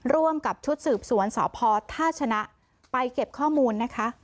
ร่วมกับชุดสืบสวนสพท่าชนะไปเก็บข้อมูลนะคะ